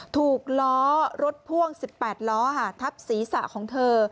ถูกล้อรถพ่วง๑๘ล้อทับศีรษะของเธอ